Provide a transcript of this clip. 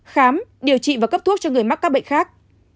khám điều trị và cấp thuốc cho người mắc các bệnh khác